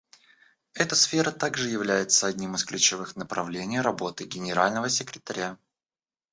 Эта сфера также является одним из ключевых направлений работы Генерального секретаря.